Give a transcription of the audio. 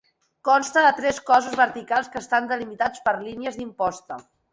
Consta de tres cossos verticals que estan delimitats per línies d'imposta.